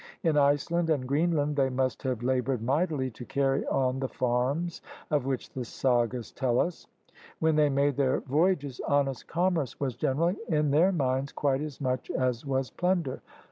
In Iceland and Greenland they must have labored mightily to carry on the farms of which the Sagas tell us. When they made their voyages, honest commerce was generally in their minds quite as much as was plunder.